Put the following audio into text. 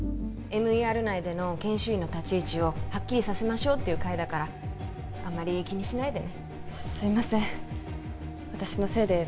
ＭＥＲ内での研修医の立ち位置をはっきりさせましょうっていう会だからあんまり気にしないでねすいません